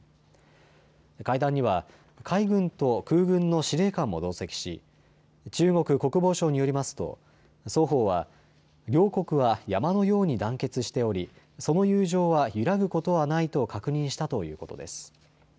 会談には海軍と空軍の司令官も同席し中国国防省によりますと双方は両国は山のように団結しておりその友情は揺らぐことはないと確認したということです。